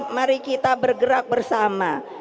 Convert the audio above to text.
mari kita bergerak bersama